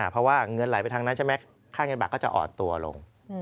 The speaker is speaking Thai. เพราะว่าเงินไหลไปทางนั้นใช่ไหมค่าเงินบาทก็จะอ่อนตัวลง